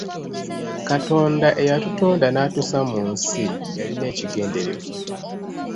Katonda eyatutonda n’atussa mu nsi yalina ekigendererwa .